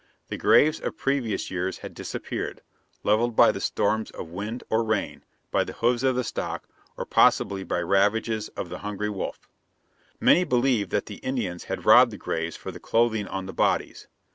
The graves of previous years had disappeared, leveled by the storms of wind or rain, by the hoofs of the stock, or possibly by ravages of the hungry wolf. Many believed that the Indians had robbed the graves for the clothing on the bodies.